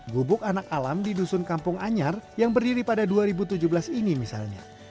gubuk anak alam di dusun kampung anyar yang berdiri pada dua ribu tujuh belas ini misalnya